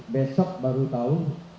besok baru tau